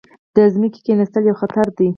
د ځمکې کیناستل یو خطر دی.